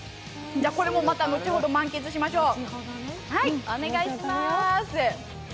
これもまた後ほど満喫しましょう。